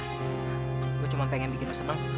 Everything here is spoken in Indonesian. lo sumpah gue cuma pengen bikin lo seneng